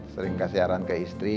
sering kasih arahan ke istri